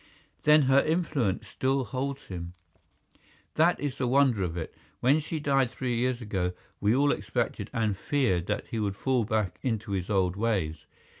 "Then her influence still holds him?" "That is the wonder of it. When she died three years ago, we all expected and feared that he would fall back into his old ways.